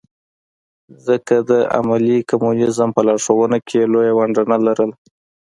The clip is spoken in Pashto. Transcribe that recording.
ځکه د عملي کمونیزم په لارښوونه کې یې لویه ونډه نه لرله.